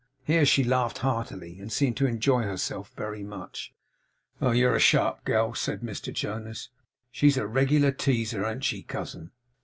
Here she laughed heartily, and seemed to enjoy herself very much. 'Oh, you're a sharp gal!' said Mr Jonas. 'She's a regular teaser, an't she, cousin?